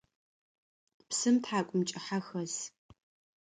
Псым тхьакӏумкӏыхьэ хэс.